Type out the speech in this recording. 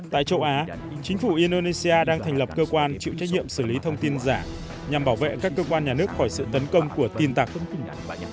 tại châu á chính phủ indonesia đang thành lập cơ quan chịu trách nhiệm xử lý thông tin giảm nhằm bảo vệ các cơ quan nhà nước khỏi sự tấn công của tin tạc thông tin